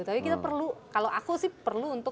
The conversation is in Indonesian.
tapi kita perlu kalau aku sih perlu untuk